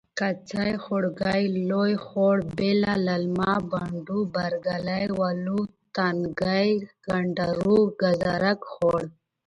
کڅۍ.خوړګۍ.لوی خوړ.بیله.للمه.بانډو.برکلی. ولو تنګی.کنډرو.ګازرک خوړ.